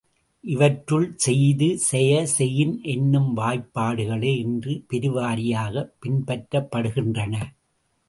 இவற்றுள், செய்து, செய, செயின் என்னும் வாய்பாடுகளே இன்று பெருவாரியாகப் பின்பற்றப்படுகின்றன.